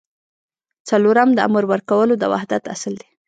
څلورم د امر ورکولو د وحدت اصل دی.